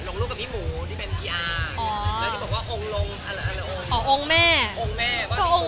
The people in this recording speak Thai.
หลงลูกกับพี่หมูที่เป็นพี่อาง